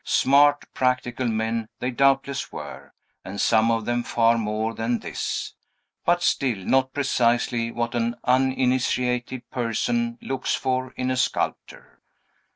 Smart, practical men they doubtless were, and some of them far more than this, but still not precisely what an uninitiated person looks for in a sculptor.